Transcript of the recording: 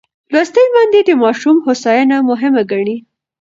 لوستې میندې د ماشوم هوساینه مهمه ګڼي.